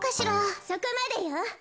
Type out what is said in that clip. そこまでよ。